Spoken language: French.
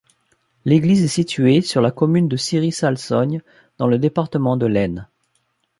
L'église est située sur la commune de Ciry-Salsogne, dans le département de l'Aisne.